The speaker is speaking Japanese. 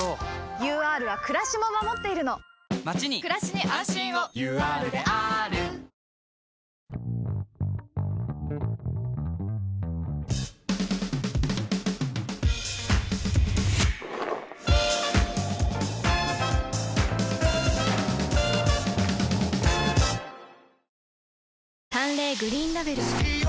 ＵＲはくらしも守っているのまちにくらしに安心をＵＲであーる淡麗グリーンラベル